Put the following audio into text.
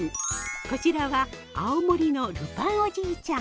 こちらは青森のルパンおじいちゃん。